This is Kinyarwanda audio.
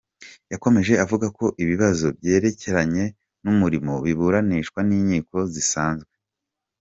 Yakomeje avuga ko ibibazo byerekeranye n’umurimo biburanishwa n’inkiko zisanzwe.